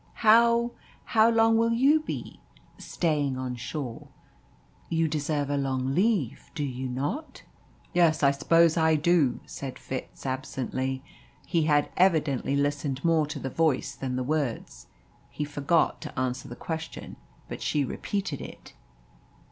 How how long will you be staying on shore? You deserve a long leave, do you not?" "Yes, I suppose I do," said Fitz absently. He had evidently listened more to the voice than the words. He forgot to answer the question. But she repeated it.